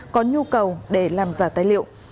có nhu cầu để làm giả tài liệu